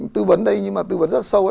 tư vấn đây nhưng mà tư vấn rất sâu